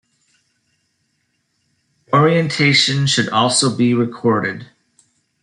Orientation should also be recorded.